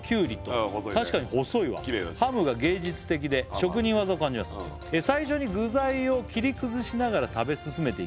きれいだし確かに細いわ「ハムが芸術的で職人技を感じます」「最初に具材を切り崩しながら食べ進めていき」